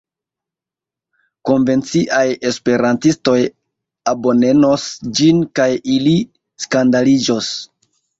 Konvenciaj esperantistoj abonenos ĝin kaj ili skandaliĝos.